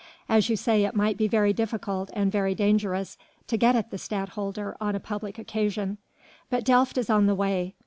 As you say it might be very difficult and very dangerous to get at the Stadtholder on a public occasion.... But Delft is on the way....